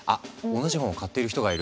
同じ本を買っている人がいる！